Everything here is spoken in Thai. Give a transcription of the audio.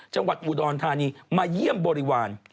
จังหวัดอุดรธานีมาเยี่ยมบริวาร